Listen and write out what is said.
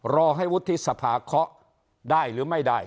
รอให้วุฒิสภาเคาะได้หรือไม่ได้